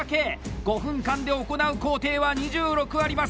５分間で行う工程は２６あります！